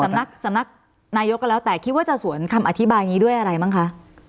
สำนักสำนักนายกก็แล้วแต่คิดว่าจะสวนคำอธิบายนี้ด้วยอะไรบ้างคะ